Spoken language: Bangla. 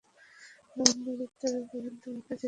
মুহাম্মাদ উত্তরে বলেন, আমাকে যেতে দাও।